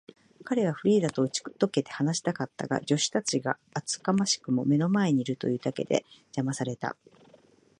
彼はフリーダとうちとけて話したかったが、助手たちが厚かましくも目の前にいるというだけで、じゃまされた。